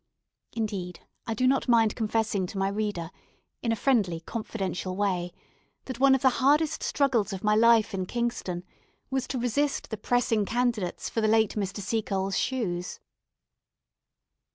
Indeed, I do not mind confessing to my reader, in a friendly confidential way, that one of the hardest struggles of my life in Kingston was to resist the pressing candidates for the late Mr. Seacole's shoes.